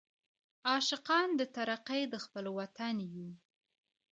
عاشقان د ترقۍ د خپل وطن یو.